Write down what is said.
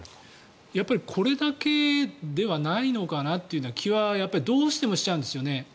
やっぱり、これだけではないのかなという気はどうしてもしちゃうんですね。